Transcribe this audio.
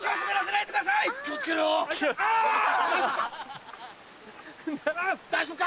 あ‼大丈夫か？